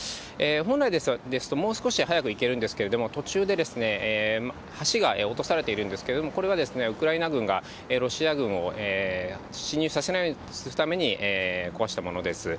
本来ですと、もう少し早く行けるんですけれども、途中で橋が落とされているんですけれども、これがウクライナ軍が、ロシア軍を侵入させないようにするために壊したものです。